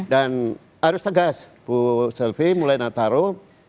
dan harus tegas bu selvi mulai nataro